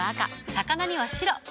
魚には白。